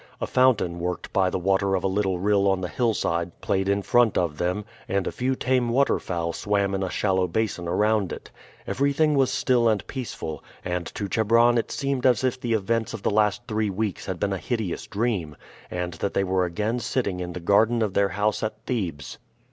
A fountain worked by the water of a little rill on the hillside played in front of them, and a few tame waterfowl swam in a shallow basin around it. Everything was still and peaceful, and to Chebron it seemed as if the events of the last three weeks had been a hideous dream, and that they were again sitting in the garden of their house at Thebes.